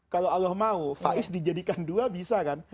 kalau allah mau faiz dijadikan dua bisa kan